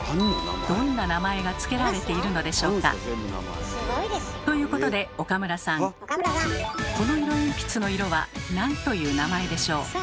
どんな名前が付けられているのでしょうか？ということで岡村さんこの色鉛筆の色は何という名前でしょう？